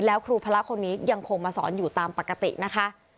แล้วครูพระคนนี้ยังคงมาสอนอยู่ตามปกตินะคะ